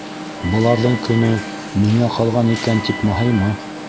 - Быларҙың көнө миңә ҡалған икән, - тип маһайма.